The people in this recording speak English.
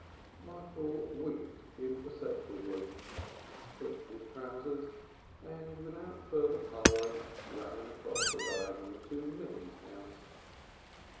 Michael winked imperceptibly, flicked his trousers, and without further parley ran across the diagonal to Milly's house.